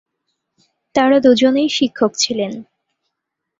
তারা দুজনেই শিক্ষক ছিলেন।